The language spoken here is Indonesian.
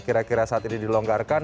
kira kira saat ini dilonggarkan